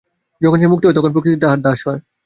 যখন সে মুক্ত হয়, তখন প্রকৃতি তাহার দাস হয়।